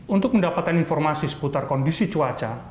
untuk mendapatkan informasi seputar kondisi cuaca